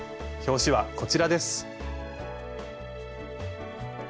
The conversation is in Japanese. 表紙はこちらです。